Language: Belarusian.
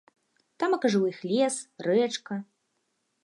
Тамака ж у іх лес, рэчка.